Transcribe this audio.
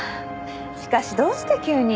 しかしどうして急に？